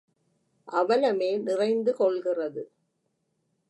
அவலமே நிறைந்து கொள்கிறது.